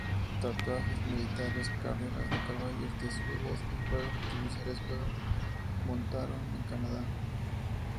Tatuajes militares, carreras de caballos, desfiles y fuegos artificiales fueron montaron en Canadá.